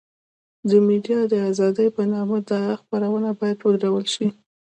د ميډيا د ازادۍ په نامه دا خبرونه بايد ودرول شي.